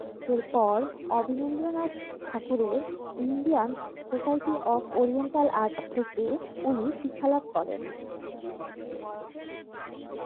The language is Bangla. এরপর অবনীন্দ্রনাথ ঠাকুরের Indian Society of Oriental Art থেকে উনি শিক্ষালাভ করেন।